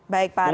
baik pak arief